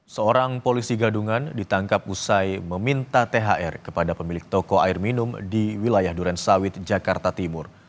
seorang polisi gadungan ditangkap usai meminta thr kepada pemilik toko air minum di wilayah durensawit jakarta timur